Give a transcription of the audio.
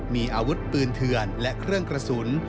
มีอาวุธปืนเถื่อนและเครื่องกระสุน